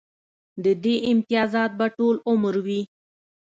د دې امتیازات به ټول عمر وي